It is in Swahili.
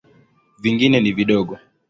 Vingine ni vidogo.